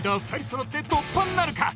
揃って突破なるか？